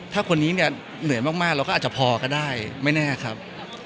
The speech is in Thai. ถ้าคนนี้เนี่ยเหนื่อยมากเราก็อาจจะพอก็ได้ไม่แน่ครับ